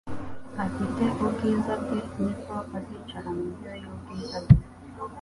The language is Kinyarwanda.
afite ubwiza bwe nibwo azicara ku ntebe y'ubwiza bwe.